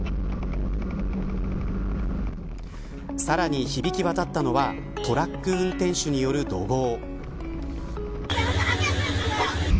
さらに響き渡ったのはトラック運転手による怒号。